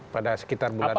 pada sekitar bulan juni